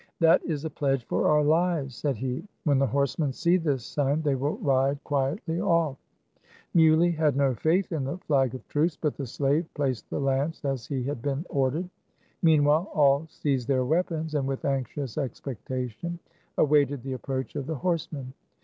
" That is a pledge for our lives," said he. "When the horsemen see this sign, they will ride qui etly off." 156 THE CAB AVAN. Muley had no faith in the flag of truce ; but the slave placed the lance as he had been or dered. ^Meanwhile, all seized their weapons, and with anxious expectation, awaited the ap proach of the horsemen.